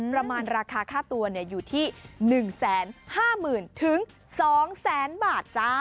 ประมาณราคาค่าตัวอยู่ที่๑๕๐๐๐๐๒๐๐๐๐๐บาท